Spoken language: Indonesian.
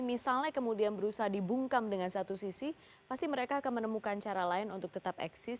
misalnya kemudian berusaha dibungkam dengan satu sisi pasti mereka akan menemukan cara lain untuk tetap eksis